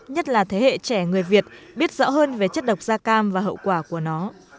nhất là thế hệ trẻ người việt biết rõ hơn về chất độc da cam và hậu quả của nó